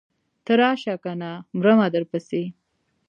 ته راشه کنه مرمه درپسې.